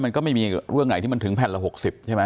มันก็ไม่มีเรื่องไหนที่ถึงแผนละหกสิบ